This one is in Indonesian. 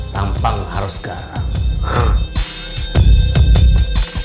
tampang harus garam